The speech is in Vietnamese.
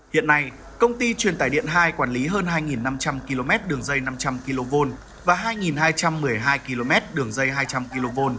hiện nay công ty truyền tải điện hai quản lý hơn hai năm trăm linh km đường dây năm trăm linh kv và hai hai trăm một mươi hai km đường dây hai trăm linh kv